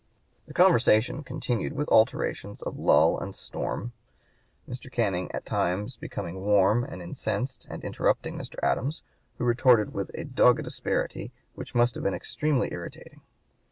'" The conversation continued with alternations of lull and storm, Mr. Canning at times becoming warm and incensed and interrupting Mr. Adams, who retorted with a dogged asperity which must have been extremely irritating.